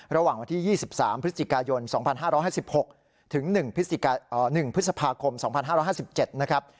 ระหว่างวันที่๒๓พฤศจิกายน๒๕๕๖ถึง๑พฤษภาคม๒๕๕๗นะครับ